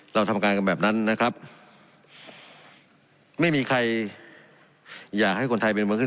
เราทำการกันแบบนั้นนะครับไม่มีใครอยากให้คนไทยเป็นเมืองขึ้น